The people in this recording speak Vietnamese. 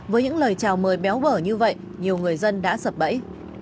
với những lời chào mời béo bở như vậy nhiều người dân đã sập bẫy